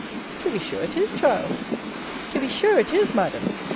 To be sure it is, Child. To be sure it is, Madam!